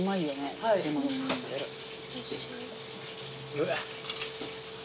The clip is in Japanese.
うわっ。